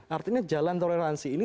artinya jalan toleransi ini